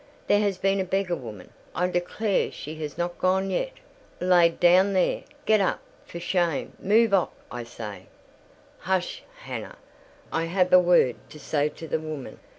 There has been a beggar woman—I declare she is not gone yet!—laid down there. Get up! for shame! Move off, I say!" "Hush, Hannah! I have a word to say to the woman.